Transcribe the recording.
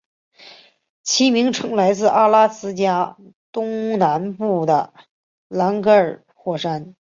其名称来自阿拉斯加东南部的兰格尔火山。